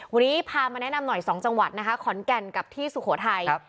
วันนี้พามาแนะนำหน่อย๒จังหวัดนะคะขอนแก่นกับที่สุโขทัย